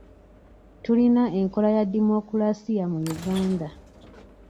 Tulina enkola ya demokulasiya mu Uganda.